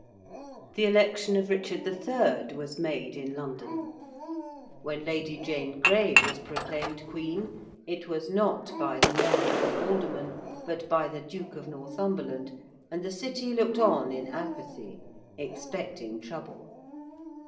The election of Richard III. was made in London. When Lady Jane Grey was proclaimed Queen, it was not by the Mayor and Aldermen, but by the Duke of Northumberland, and the City looked on in apathy, expecting trouble.